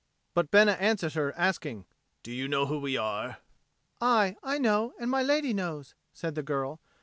But Bena answered her, asking, "Do you know who we are?" "Aye, I know, and my lady knows," said the girl.